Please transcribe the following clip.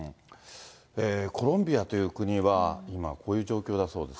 コロンビアという国は今、こういう状況だそうです。